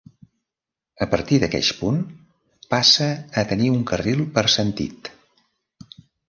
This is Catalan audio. A partir d'aqueix punt, passa a tenir un carril per sentit.